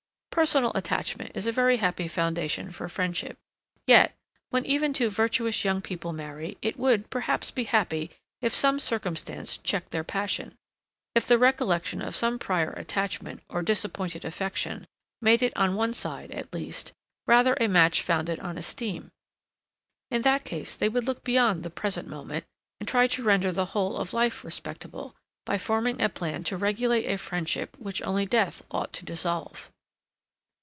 Personal attachment is a very happy foundation for friendship; yet, when even two virtuous young people marry, it would, perhaps, be happy if some circumstance checked their passion; if the recollection of some prior attachment, or disappointed affection, made it on one side, at least, rather a match founded on esteem. In that case they would look beyond the present moment, and try to render the whole of life respectable, by forming a plan to regulate a friendship which only death ought to dissolve.